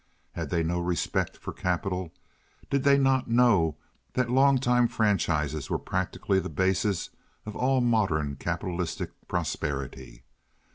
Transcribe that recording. Had they no respect for capital? Did they not know that long time franchises were practically the basis of all modern capitalistic prosperity?